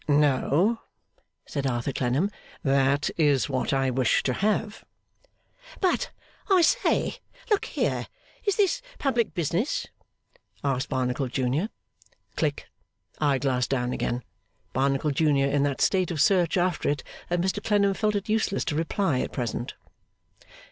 'No,' said Arthur Clennam. 'That is what I wish to have.' 'But I say. Look here! Is this public business?' asked Barnacle junior. (Click! Eye glass down again. Barnacle Junior in that state of search after it that Mr Clennam felt it useless to reply at present.)